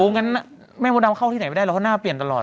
โอ้ยงั้นไม่มองดำเข้าที่ไหนไปได้แล้วเพราะหน้าเปลี่ยนตลอด